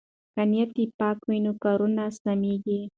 که نیت پاک وي نو کارونه سمېږي.